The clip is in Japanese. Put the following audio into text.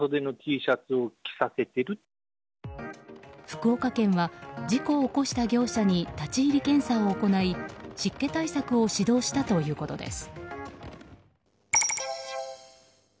福岡県は事故を起こした業者に立ち入り検査を行い、湿気対策を指導したということです。